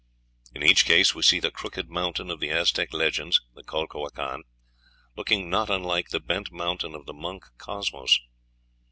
In each case we see the crooked mountain of the Aztec legends, the Calhuacan, looking not unlike the bent mountain of the monk, Cosmos.